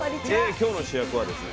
今日の主役はですね